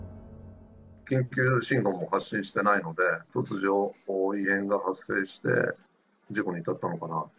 緊急信号も発信してないので、突如異変が発生して、事故に至ったのかなと。